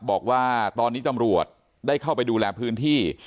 บอกว่าตอนนี้ตำรวจได้เข้าไปดูแลพื้นที่